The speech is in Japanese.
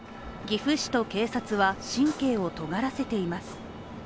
岐阜市と警察は神経をとがらせています。